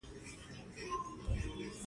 چې دې ته ورته ارزښتونه پالي.